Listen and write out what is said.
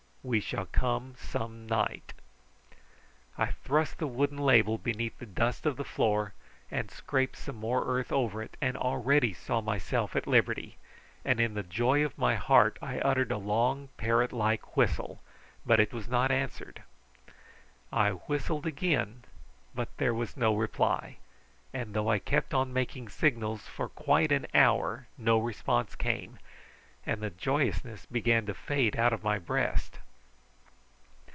We shall come some night." I thrust the wooden label beneath the dust of the floor, scraped some more earth over it, and already saw myself at liberty, and in the joy of my heart I uttered a long parrot like whistle, but it was not answered. I whistled again, but there was no reply; and though I kept on making signals for quite an hour no response came, and the joyousness began to fade out of my breast.